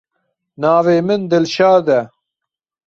Navê min Dilşad e.